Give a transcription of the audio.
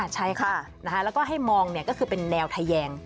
ใช่ค่ะแล้วก็ให้มองก็คือเป็นแนวทะแยง